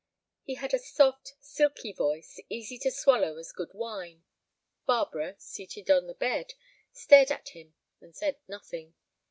He had a soft, silky voice, easy to swallow as good wine. Barbara, seated on the bed, stared at him and said nothing.